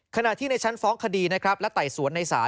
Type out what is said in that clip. ขณะที่ในชั้นฟ้องคดีและไต่สวนในสา